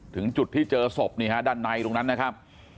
ถึงจุดที่เจอศพนี่ฮะด้านในตรงนั้นนะครับ